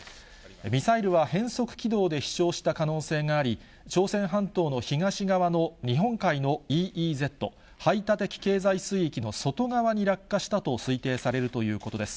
ミサイルは変則軌道で飛しょうした可能性があり、朝鮮半島の東側の日本海のＥＥＺ・排他的経済水域の外側に落下したと推定されるということです。